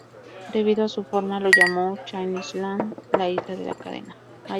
Debido a su forma lo llamó "Chain Island", la isla de la cadena.